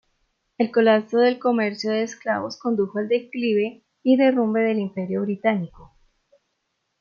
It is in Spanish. El colapso del comercio de esclavos condujo al declive y derrumbe del Imperio británico.